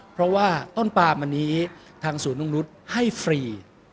เพราะว่าต้นปามอันนี้ทางศูนย์นุ่งนุษย์ให้ฟรี